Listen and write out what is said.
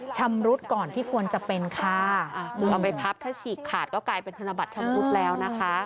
ชำรุดก่อนที่ควรจะเป็นค่ะคือเอาไปพับถ้าฉีกขาดก็กลายเป็นธนบัตรชำรุดแล้วนะคะ